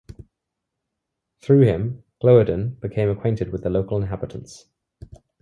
Through him, Gloeden became acquainted with the local inhabitants.